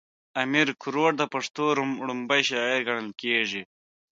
امير کروړ د پښتو ړومبی شاعر ګڼلی کيږي